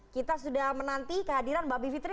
kita sudah menanti kehadiran mbak bivitri